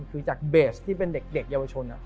คือจากเบสที่เป็นเด็กเยาวชน